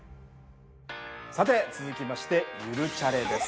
さて続きまして「ゆるチャレ」です。